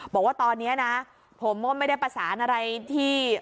บอกว่าตอนนี้นะผมก็ไม่ได้ประสานอะไรที่